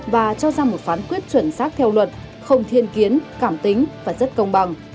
và cho ra một phán quyết chuẩn xác theo luật không thiên kiến cảm tính và rất công bằng